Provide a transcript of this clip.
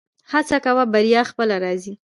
هڅه کوه بریا خپله راځي